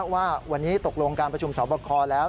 ว่าวันนี้ตกลงการประชุมสอบคอแล้ว